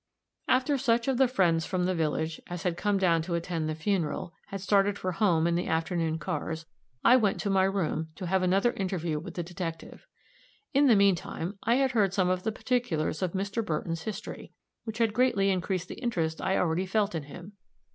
After such of the friends from the village as had come down to attend the funeral, had started for home in the afternoon cars, I went to my room to have another interview with the detective. In the mean time, I had heard some of the particulars of Mr. Burton's history, which had greatly increased the interest I already felt in him.